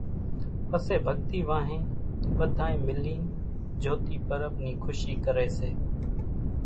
پسي ڀڳتي وانھين ٻڌانئين ملين جھوتي پرٻ نِي کُشي ڪري سي